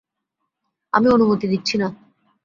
আমি অনুমতি দিচ্ছি না।